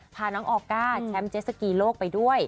พาน้องออก้าแชมป์เจสสกีโลกไปด้วย